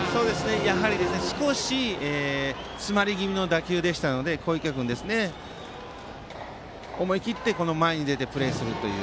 やはり少し詰まり気味の打球でしたので小池君、思い切って前に出てプレーするという。